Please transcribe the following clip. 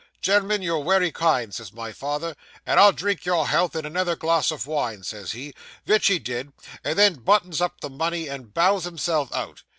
"Gen'l'm'n, you're wery kind," says my father, "and I'll drink your health in another glass of wine," says he; vich he did, and then buttons up the money, and bows himself out.